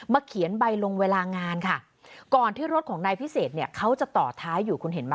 เขียนใบลงเวลางานค่ะก่อนที่รถของนายพิเศษเนี่ยเขาจะต่อท้ายอยู่คุณเห็นไหม